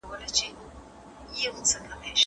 دابه بیا په کړآکړ کې د بیربل ژامې ماتېږي